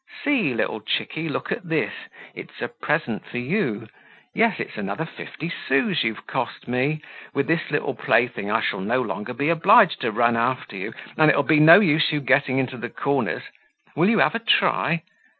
"See, little chickie, look at this. It's a present for you. Yes, it's another fifty sous you've cost me. With this plaything I shall no longer be obliged to run after you, and it'll be no use you getting into the corners. Will you have a try?